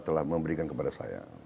telah memberikan kepada saya